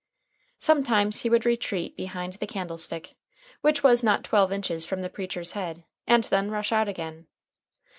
Sometimes he would retreat behind the candlestick, which was not twelve inches from the preacher's head, and then rush out again.